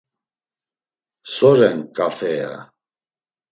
So ren ǩafe ya?